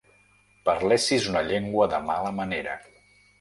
Parlessis una llengua de mala manera.